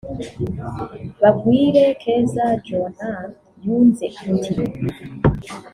Bagwire Keza Joanah yunze ati